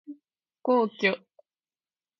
皇居